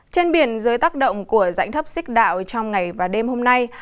trên biển dưới tác động của dãnh thấp xích đạo trong ngày và đêm hôm nay